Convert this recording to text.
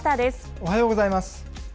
おはようございます。